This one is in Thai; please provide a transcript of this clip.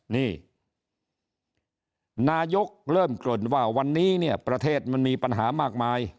นี่นายกเริ่มเกริ่นว่าวันนี้เนี่ยประเทศมันมีปัญหามากมาย